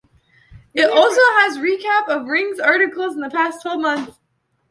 It also has a recap of "Ring"'s articles of the past twelve months.